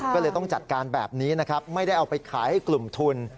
ก็เลยต้องจัดการแบบนี้นะครับไม่ได้เอาไปขายให้กลุ่มทุน